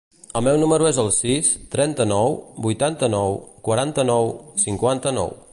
El meu número es el sis, trenta-nou, vuitanta-nou, quaranta-nou, cinquanta-nou.